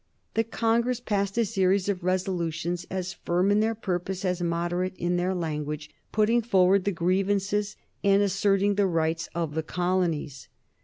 The congress passed a series of resolutions, as firm in their purpose as moderate in their language, putting forward the grievances and asserting the rights of the colonies.